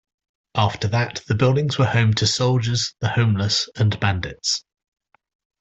After that, the buildings were home to soldiers, the homeless, and bandits.